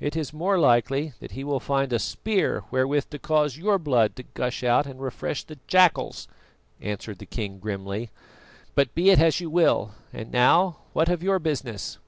"It is more likely that he will find a spear wherewith to cause your blood to gush out and refresh the jackals," answered the king grimly; "but be it as you will. And now, what of your business?"